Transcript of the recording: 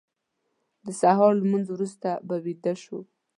د سهار لمونځ وروسته به ویده شو.